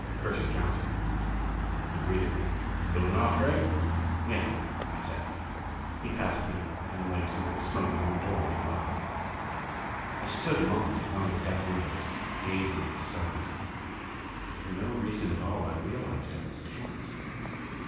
Purser Johnson. He greeted me. "Cooling off, Gregg?" "Yes," I said. He passed me and went into the smoking room door nearby. I stood a moment at one of the deck windows, gazing at the stars; and for no reason at all I realized I was tense.